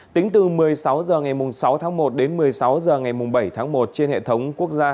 tính từ một mươi sáu h ngày sáu tháng một đến một mươi sáu h ngày bảy tháng một trên hệ thống quốc gia